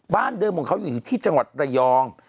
เดิมของเขาอยู่ที่จังหวัดระยอง